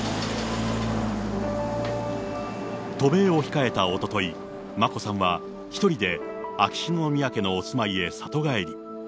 渡米を控えたおととい、眞子さんは１人で秋篠宮家のお住まいへ里帰り。